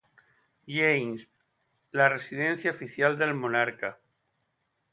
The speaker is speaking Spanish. James, la residencia oficial del monarca.